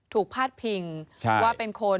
พาดพิงว่าเป็นคน